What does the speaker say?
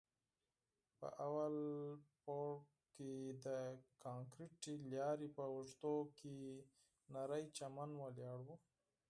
په اول پوړ کښې د کانکريټي لارې په اوږدو کښې نرى چمن ولاړ و.